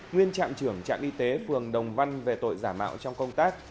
nguyên trạm trưởng trạm y tế phường đồng văn về tội giả mạo trong công tác